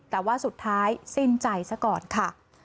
แต่ว่าสุดท้ายสิ้นใจซะก่อนค่ะ